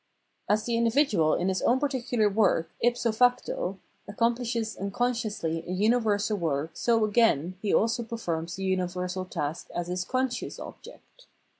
As the individual in his own. particular work if so facto accomplishes unconsciously a universal work so again he also performs the universal task as his conscious object.